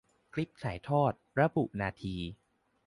คลิปถ่ายทอด ระบุนาที